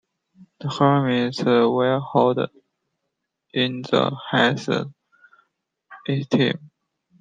The hermits were held in the highest esteem.